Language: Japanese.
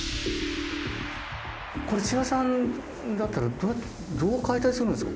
これ千葉さんだったらどう解体するんですか？